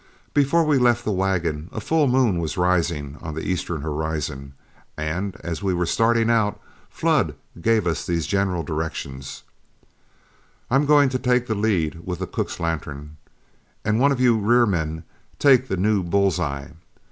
Before we left the wagon, a full moon was rising on the eastern horizon, and as we were starting out Flood gave us these general directions: "I'm going to take the lead with the cook's lantern, and one of you rear men take the new bull's eye.